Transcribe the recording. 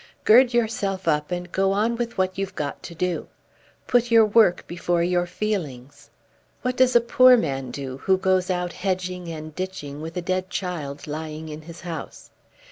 Gird yourself up and go on with what you've got to do. Put your work before your feelings. What does a poor man do, who goes out hedging and ditching with a dead child lying in his house?